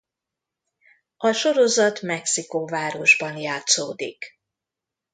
A sorozat Mexikóvárosban játszódik.